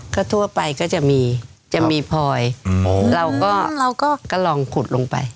ก็ทั่วไปก็จะมีพลอยเราก็ลองขุดลงไป